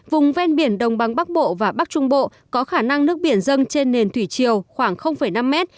vùng ven biển đông bắc bộ và bắc trung bộ có khả năng nước biển dâng trên nền thủy chiều khoảng năm m